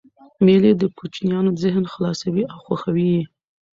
مېلې د کوچنيانو ذهن خلاصوي او خوښوي یې.